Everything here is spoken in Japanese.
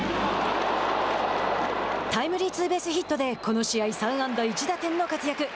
タイムリーツーベースヒットでこの試合３安打１打点の活躍。